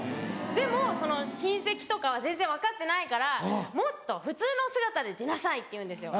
でも親戚とかは全然分かってないから「もっと普通の姿で出なさい」って言うんですよ。